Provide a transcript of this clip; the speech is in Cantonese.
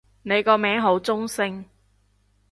你個名好中性